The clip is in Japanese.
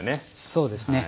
そうですね。